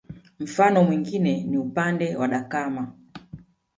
Mfano mwingine ni upande wa Dakama